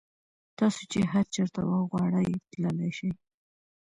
تاسو چې هر چېرته وغواړئ تللی شئ.